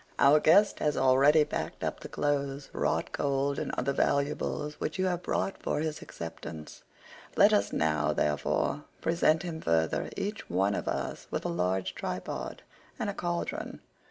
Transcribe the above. Our guest has already packed up the clothes, wrought gold,108 and other valuables which you have brought for his acceptance; let us now, therefore, present him further, each one of us, with a large tripod and a cauldron.